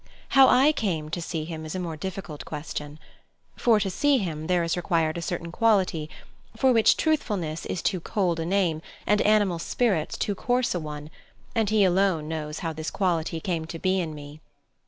How I came to see him is a more difficult question. For to see him there is required a certain quality, for which truthfulness is too cold a name and animal spirits too coarse a one, and he alone knows how this quality came to be in me.